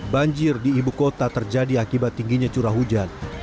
banjir di ibu kota terjadi akibat tingginya curah hujan